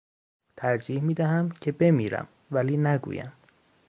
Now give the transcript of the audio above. ترجیح میدهم که بمیرم ولی نگویم.